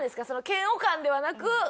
嫌悪感ではなく。